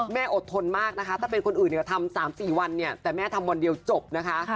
อดทนมากนะคะถ้าเป็นคนอื่นเนี่ยทำ๓๔วันเนี่ยแต่แม่ทำวันเดียวจบนะคะ